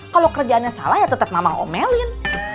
kalo kerjaannya salah ya tetep mama omelin